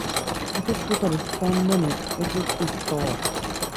এক-এক প্রকারের স্পন্দনে এক-একটি স্তর।